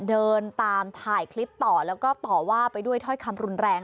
เดินตามถ่ายคลิปต่อแล้วก็ต่อว่าไปด้วยถ้อยคำรุนแรง